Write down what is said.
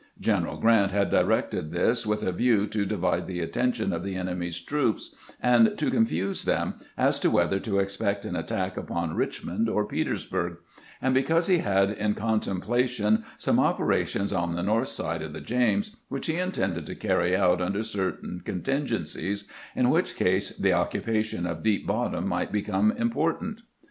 Greneral Q rant had directed this with a view to divide the attention of the enemy's troops, and to confuse them as to whether to expect an attack upon Richmond or Petersburg, and because he had in con templation some operations on the north side of the James, which he intended to carry out under certain contingencies, in which case the occupation of Deep Bottom might become important.